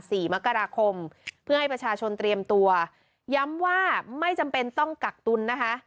สี่มกราคมเพื่อให้ประชาชนเตรียมตัวย้ำว่าไม่จำเป็นต้องกักตุลนะคะ